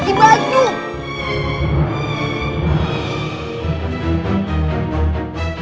kamu disuruh jemur baju